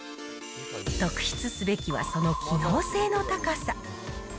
特筆すべきは、その機能性の高さ。